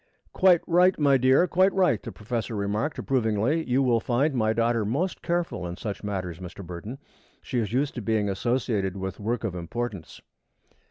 "Quite right, my dear quite right," the professor remarked, approvingly. "You will find my daughter most careful in such matters, Mr. Burton. She is used to being associated with work of importance."